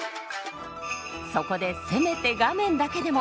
そこでせめて画面だけでも。